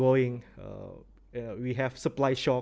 kami mengalami kejaksaan penyelenggaraan